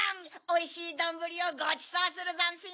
おいしいどんぶりをごちそうするざんすよ！